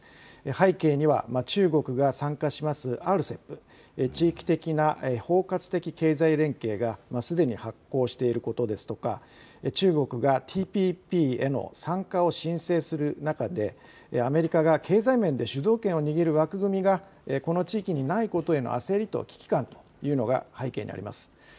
背景には中国が参加しますＲＣＥＰ・地域的な包括的経済連携がすでに発効していることですとか中国がＴＰＰへの参加を申請する中でアメリカが経済面で主導権を握る枠組みが、この地域にないことへの焦りと危機感というのが背景にあります。